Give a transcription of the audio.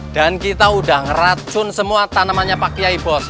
dan kita udah ngeracun semua tanamannya pak kiai bos